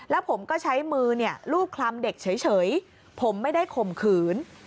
แล้วผมก็ใช้มือรูปคลำเด็กเฉยผมไม่ได้ข่มขืน